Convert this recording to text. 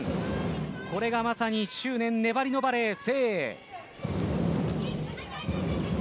これがまさに執念粘りのバレー、誠英。